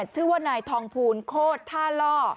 ชื่อว่านายทองภูลโคตรท่าล่อ